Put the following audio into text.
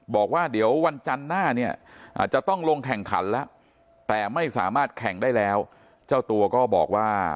บอกว่าเดี๋ยววันจันทร์หน้าเนี่ยจะต้องลงแข่งขันแล้วแต่ไม่สามารถแข่งได้แล้วเจ้าตัวก็บอกว่า